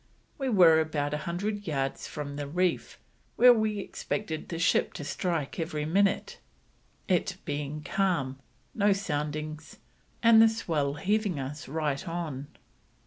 We were about 100 yards from the reef, where we expected the ship to strike every minute, it being calm, no soundings, and the swell heaving us right on."